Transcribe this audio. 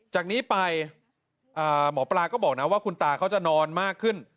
จากนี้ไปหมอปลาก็บอกนะว่าคุณตาเขาจะนอนมากขึ้น